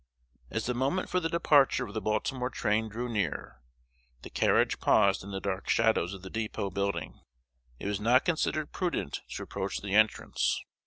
As the moment for the departure of the Baltimore train drew near, the carriage paused in the dark shadows of the dépôt building. It was not considered prudent to approach the entrance.